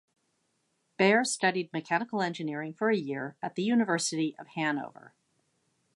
Baer studied mechanical engineering for a year at the University of Hanover.